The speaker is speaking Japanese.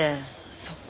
そっか。